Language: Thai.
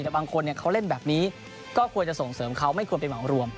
แต่บางคนเขาเล่นแบบนี้ก็ควรจะส่งเสริมเขาไม่ควรไปเหมารวม